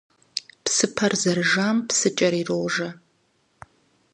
Псыпэр зэрыжэм псыкӀэр ирожэ.